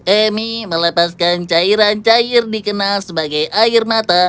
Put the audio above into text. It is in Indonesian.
emi melepaskan cairan cair dikenal sebagai air mata